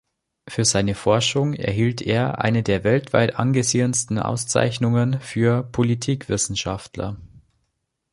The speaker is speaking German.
Für seine Forschungen erhielt er eine der weltweit angesehensten Auszeichnungen für Politikwissenschaftler.